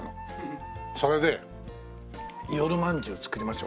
それで夜まんじゅう作りましょう。